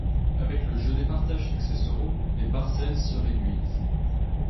Avec le jeu des partages successoraux, les parcelles se réduisent.